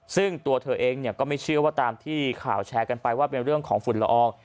ซึ่งตัวเธอเองก็ไม่เชื่อว่าตามที่ข่าวแชร์กันไปว่าเป็นเรื่องของฝุ่นละออง